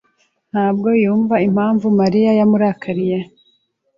ntabwo yumva impamvu Mariya yamurakariye.